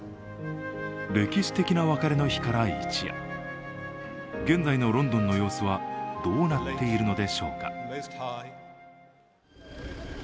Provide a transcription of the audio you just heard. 歴史的な別れの日から一夜、現在のロンドンの様子はどうなっているのでしょうか。